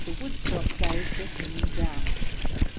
Woodstock gazed at him in doubt.